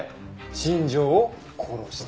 新庄を殺した。